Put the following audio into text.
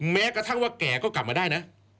แม้กระทั่งว่าแก่ก็กลับมาได้นะ